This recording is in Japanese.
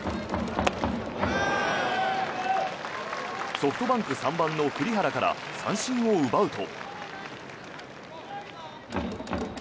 ソフトバンク３番の栗原から三振を奪うと。